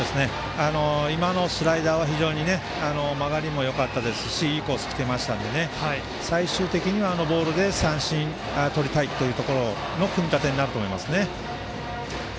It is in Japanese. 今のスライダーは非常に曲がりもよかったですしいいコースに来ていましたので最終的には、あのボールで三振をとりたいといういい当たり！